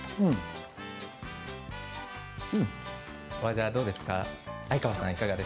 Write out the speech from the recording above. お味はどうですか？